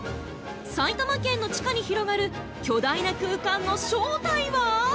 埼玉県の地下に広がる巨大な空間の正体は？